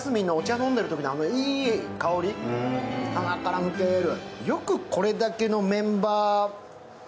飲んでるときのいい香り、鼻から抜け出る。